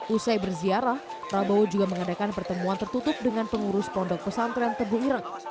usai berziarah prabowo juga mengadakan pertemuan tertutup dengan pengurus pondok pesantren tebu ireng